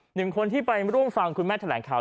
หนึ่งคนที่ไปร่วมฟังคุณแม่แถลงข่าว